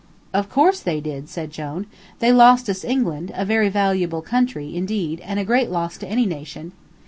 "Of course they did," said Jone; "they lost us England, a very valuable country, indeed, and a great loss to any nation.